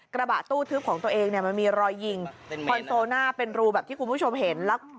กระบะตู้ทึบของตัวเองเนี่ยมันมีรอยยิงคอนโซลหน้าเป็นรูแบบที่คุณผู้ชมเห็นแล้ว